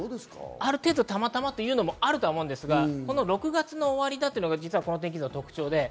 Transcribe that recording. ある程度たまたまというのもありますが、６月の終わりだというのがこの天気図の特徴です。